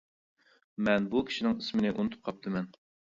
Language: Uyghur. مەن بۇ كىشىنىڭ ئىسمىنى ئۇنتۇپ قاپتىمەن.